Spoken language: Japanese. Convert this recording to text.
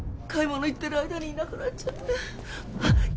買い物行ってる間にいなくなっちゃってあっ